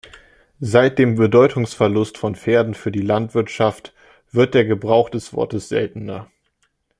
Seit dem Bedeutungsverlust von Pferden für die Landwirtschaft wird der Gebrauch des Wortes seltener.